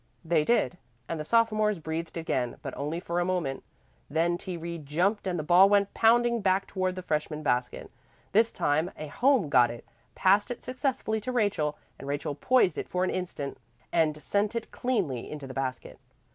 They did, and the sophomores breathed again, but only for a moment. Then T. Reed jumped and the ball went pounding back toward the freshman basket. This time a home got it, passed it successfully to Rachel, and Rachel poised it for an instant and sent it cleanly into the basket.